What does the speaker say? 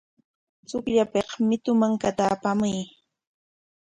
Chukllapik mitu mankata apaskamuy.